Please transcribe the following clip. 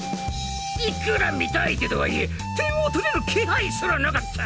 いくら三田相手とは言え点を取れる気配すらなかった。